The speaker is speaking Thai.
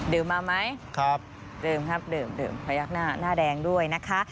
ดื่มมาไหมดื่มครับดื่มขยักหน้าแดงด้วยนะคะ